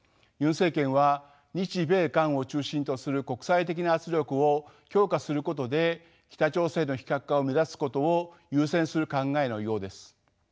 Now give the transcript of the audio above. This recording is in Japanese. ユン政権は日米韓を中心とする国際的な圧力を強化することで北朝鮮の非核化を目指すことを優先する考えのようです。